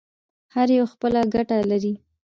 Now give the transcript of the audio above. هر یو خپله ګټه لري.